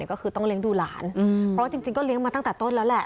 ก็คือต้องเลี้ยงดูหลานเพราะว่าจริงก็เลี้ยงมาตั้งแต่ต้นแล้วแหละ